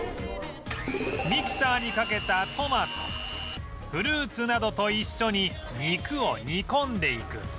ミキサーにかけたトマトフルーツなどと一緒に肉を煮込んでいく